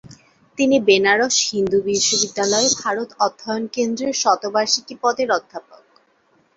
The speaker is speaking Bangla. তিনি বেনারস হিন্দু বিশ্ববিদ্যালয়ে ভারত অধ্যয়ন কেন্দ্রের শতবার্ষিকী পদের অধ্যাপক।